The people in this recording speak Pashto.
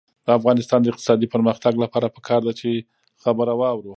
د افغانستان د اقتصادي پرمختګ لپاره پکار ده چې خبره واورو.